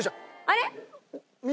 あれ？